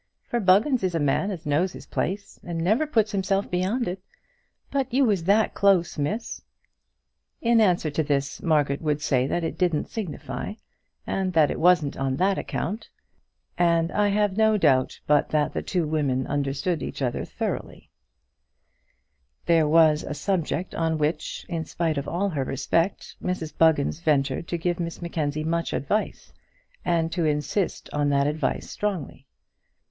For Buggins is a man as knows his place, and never puts himself beyond it! But you was that close, Miss " In answer to this Margaret would say that it didn't signify, and that it wasn't on that account; and I have no doubt but that the two women thoroughly understood each other. There was a subject on which, in spite of all her respect, Mrs Buggins ventured to give Miss Mackenzie much advice, and to insist on that advice strongly.